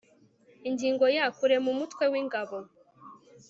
ingingo ya kurema umutwe w ingabo